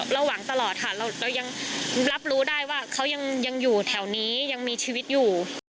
เราหวังตลอดค่ะเรายังรับรู้ได้ว่าเขายังอยู่แถวนี้ยังมีชีวิตอยู่